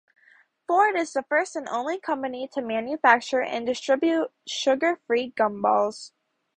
Ford is the first and only company to manufacture and distribute sugar free gumballs.